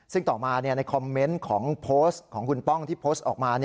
ซึ่งต่อมาในคอมเมนต์ของโพสต์ของคุณป้องที่โพสต์ออกมา